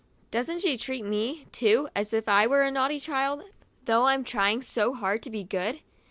Doesn't she treat me, too, as if I were a naughty child, though I'm trying so hard to be good?